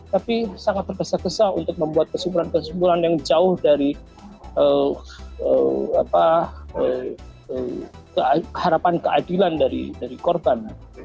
tapi sangat tergesa gesa untuk membuat kesimpulan kesimpulan yang jauh dari harapan keadilan dari korban